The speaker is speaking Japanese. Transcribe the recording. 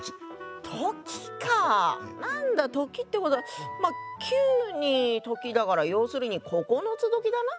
なんだ「とき」ってことはまあ「九」に「とき」だから要するに九つどきだな。